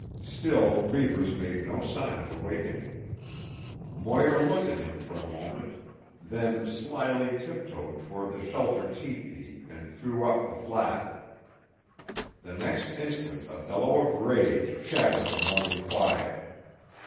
Still Reivers made no sign of awakening. Moir looked at him for a moment, then slily tiptoed toward the shelter tepee and threw up the flap. The next instant a bellow of rage shattered the morning quiet.